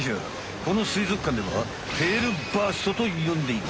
このすいぞくかんではテールバーストとよんでいる。